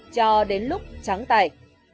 cho đến lúc trắng tải